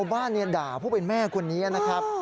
บ้านด่าผู้เป็นแม่คนนี้นะครับ